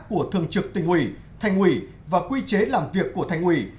của thường trực thành quỳ và quy chế làm việc của thành quỳ